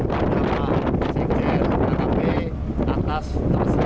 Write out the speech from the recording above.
kepada sikir akp atas tersebut